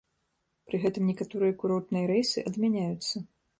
Пры гэтым некаторыя курортныя рэйсы адмяняюцца.